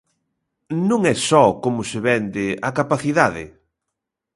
Non é só, como se vende, a capacidade.